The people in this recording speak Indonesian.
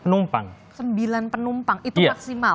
penumpang sembilan penumpang itu maksimal